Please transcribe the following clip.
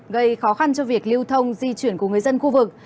gây khó khăn cho việc lưu thông di chuyển của người dân khu vực